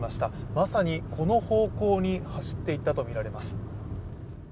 まさにこの方向に走っていったとみられます。